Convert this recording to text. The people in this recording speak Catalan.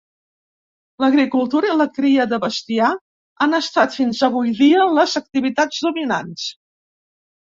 L'agricultura i la cria de bestiar han estat fins avui dia les activitats dominants.